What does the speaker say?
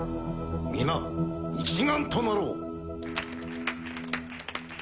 皆一丸となろう。